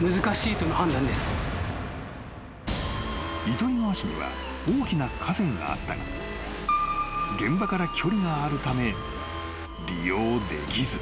［糸魚川市には大きな河川があったが現場から距離があるため利用できず］